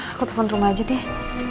aku telepon rumah aja deh